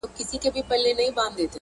الله تعالی علم لري، چي زه بريئه يم.